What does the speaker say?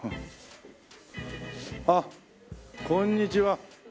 あっこんにちは。